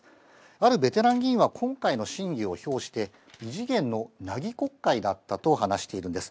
あるベテラン議員は、今回の審議を評して、異次元のなぎ国会だったと話しているんです。